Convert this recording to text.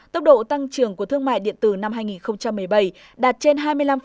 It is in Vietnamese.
tốc độ tăng trưởng của thương mại điện tử năm hai nghìn một mươi bảy đạt trên hai mươi năm